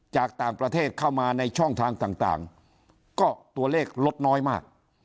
จากต่างประเทศเข้ามาในช่องทางต่างก็ตัวเลขลดน้อยมาก